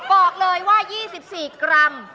บอกเลยว่า๒๔กรัม